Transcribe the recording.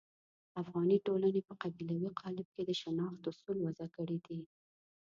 افغاني ټولنې په قبیلوي قالب کې د شناخت اصول وضع کړي دي.